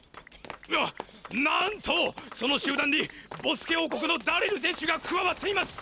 がなんとその集団にボスケ王国のダリルせんしゅがくわわっています！